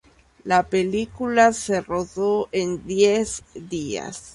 La película se rodó en diez días.